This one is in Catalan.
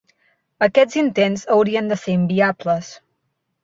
Aquests intents haurien de ser inviables.